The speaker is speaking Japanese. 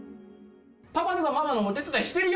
パパとかママのお手伝いしてるよって子？